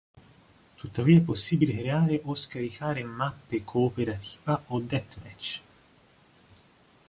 Tuttavia è possibile creare o scaricare mappe cooperativa o deathmatch.